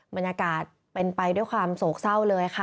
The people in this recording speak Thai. บรรยากาศเป็นไปด้วยความโศกเศร้าเลยค่ะ